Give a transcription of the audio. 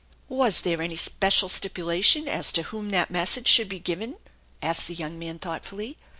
" Was there any special stipulation as to whom that mes sage should be given?" asked the young man thoughtfully.